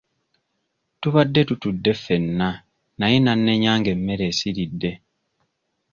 Tubadde tutudde ffenna naye n'annenya ng'emmere esiridde.